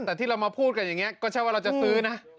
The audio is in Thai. แต่ที่เรามาพูดกันอย่างนี้ก็ใช่ว่าเราจะซื้อนะ